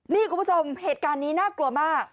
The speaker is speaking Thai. นี่คุณผู้ชมเหตุการณ์นี้น่ากลัวมาก